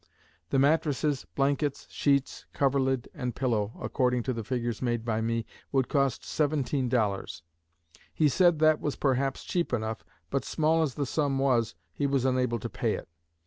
The mattresses, blankets, sheets, coverlid, and pillow, according to the figures made by me, would cost seventeen dollars. He said that was perhaps cheap enough, but small as the sum was he was unable to pay it.